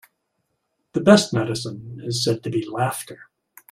The best medicine is said to be laughter.